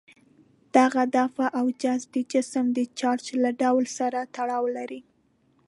دغه دفع او جذب د جسم د چارج له ډول سره تړاو لري.